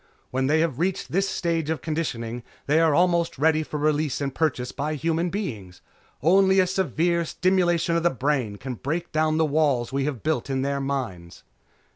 When they have reached this stage of conditioning they are almost ready for release and purchase by human beings. Only a severe stimulation of the brain can break down the walls we have built in their minds."